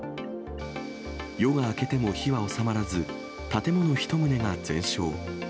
夜が明けても火は収まらず、建物１棟が全焼。